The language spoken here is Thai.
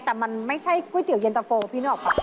แต่มันไม่ใช่ก๋วยเตี๋ยวเย็นตะโฟลพี่นุ่บค่ะ